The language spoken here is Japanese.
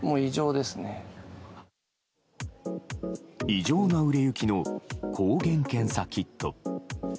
異常な売れ行きの抗原検査キット。